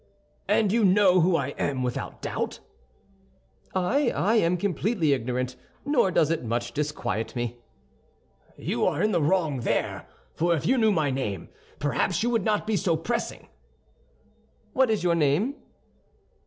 "And you know who I am, without doubt?" "I? I am completely ignorant; nor does it much disquiet me." "You're in the wrong there; for if you knew my name, perhaps you would not be so pressing." "What is your name?"